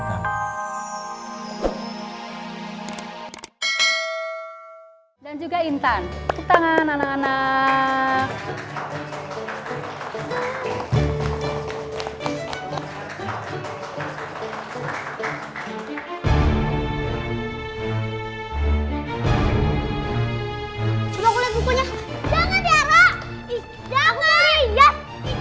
aku mau lihat